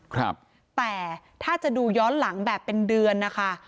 ครับแต่ถ้าจะดูย้อนหลังแบบเป็นเดือนนะคะ